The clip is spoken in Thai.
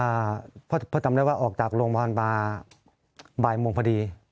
พ่อจำได้ว่าออกจากโรงพยาบาลมาบ่ายโมงพอดี